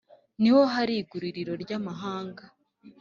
Ni ho hari iguriro ry amahanga